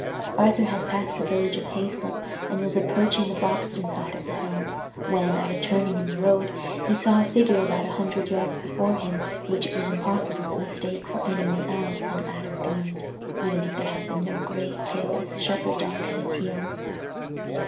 Arthur had passed the village of Hayslope and was approaching the Broxton side of the hill, when, at a turning in the road, he saw a figure about a hundred yards before him which it was impossible to mistake for any one else than Adam Bede, even if there had been no grey, tailless shepherd dog at his heels.